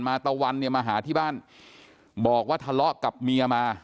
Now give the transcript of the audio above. มาหาที่บ้านบอกว่าทะเลาะกับเมียมา